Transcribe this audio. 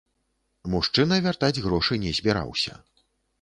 Мужчына вяртаць грошы не збіраўся.